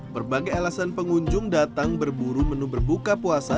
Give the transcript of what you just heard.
berbagai alasan pengunjung datang berburu menu berbuka puasa